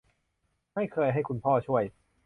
ไม่เคยให้คุณพ่อช่วย